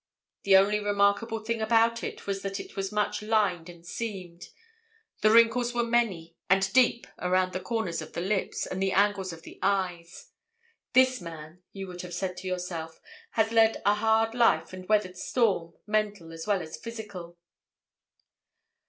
The only remarkable thing about it was that it was much lined and seamed; the wrinkles were many and deep around the corners of the lips and the angles of the eyes; this man, you would have said to yourself, has led a hard life and weathered storm, mental as well as physical.